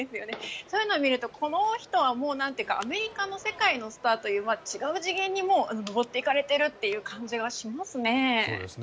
そういうのを見るとこの人はアメリカの世界のスターという違う次元にもうのぼっていかれているという感じがしますね。